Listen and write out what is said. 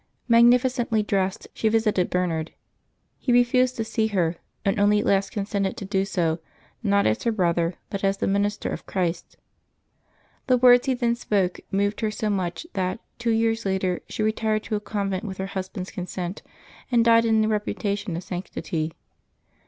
Magnificently dressed, she visited Ber nard; he refused to see her, and only at last consented to do so, not as her brother, but as the minister of Christ. The words he then spoke moved her so much that, two years later, she retired to a convent with her husband's consent, and died in the reputation of sanctity.